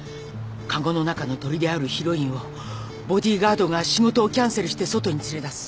籠の中の鳥であるヒロインをボディーガードが仕事をキャンセルして外に連れ出す。